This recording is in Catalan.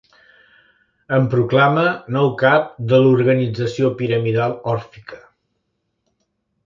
Em proclama nou cap de l'organització piramidal òrfica.